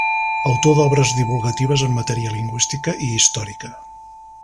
Autor d'obres divulgatives en matèria lingüística i històrica.